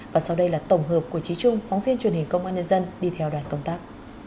và sau đây là tổng hợp của trí trung phóng viên truyền hình công an nhân dân đi theo đoàn công tác